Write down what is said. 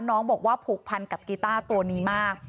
น้องบอกว่าผูกพันกับกีต้าตัวนี้มาก